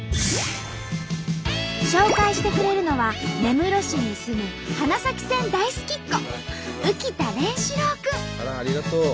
紹介してくれるのは根室市に住むあらありがとう！